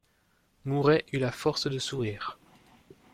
Mouret eut la force de sourire.